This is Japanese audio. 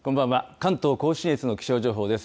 関東甲信越の気象情報です。